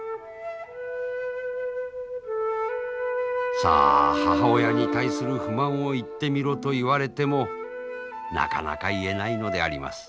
さあ母親に対する不満を言ってみろと言われてもなかなか言えないのであります。